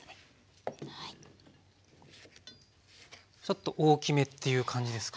ちょっと大きめという感じですか？